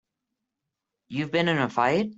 You been in a fight?